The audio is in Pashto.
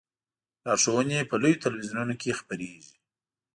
لارښوونې په لویو تلویزیونونو کې خپریږي.